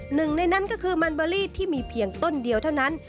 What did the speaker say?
หนึ่งในนั้นก็คือมันเบอรี่ที่มีเพียงต้นเดียวเท่านั้น